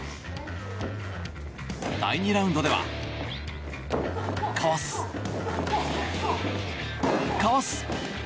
第２ラウンドではかわす、かわす。